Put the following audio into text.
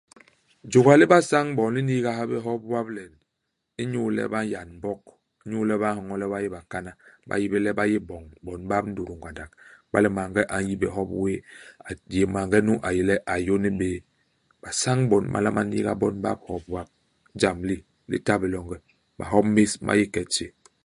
Jôga li basañ-bon li n'niiga ha bé hop wap len, inyu le ba n'yan Mbog. Inyu le ba nhoñol le ba yé bakana. Ba yi bé le ba yé iboñ bo bap ndutu ngandak. Iba le maange a n'yi bé hop wéé, a yé maange nu a yé le a yôni bé. Basañ-bon ba nlama niiga bon bap hop wap. Ijam li, li ta bé longe. Mahop més ma yé ike itjé.